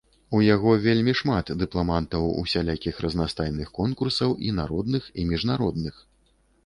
У яго вельмі шмат дыпламантаў усялякіх разнастайных конкурсаў і народных і міжнародных.